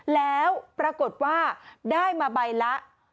แล้วปรากฏว่าได้มาใบละ